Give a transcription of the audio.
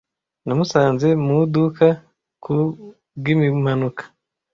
Namusanze mu iduka ku bw'impanuka.